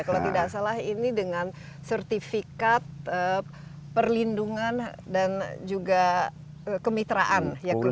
kalau tidak salah ini dengan sertifikat perlindungan dan juga kemitraan